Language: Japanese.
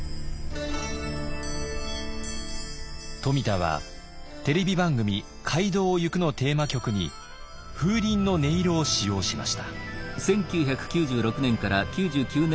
冨田はテレビ番組「街道をゆく」のテーマ曲に風鈴の音色を使用しました。